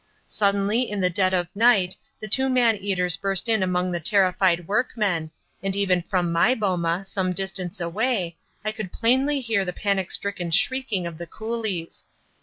Suddenly in the dead of night the two man eaters burst in among the terrified workmen, and even from my boma, some distance away, I could plainly hear the panic stricken shrieking of the coolies.